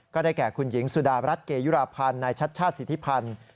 ก็ได้แก่คุณหญิงสุดารัฐเกยุราพันธ์นายชัดชาติสิทธิพันธ์